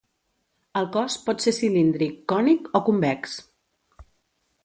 El cos pot ser cilíndric, cònic o convex.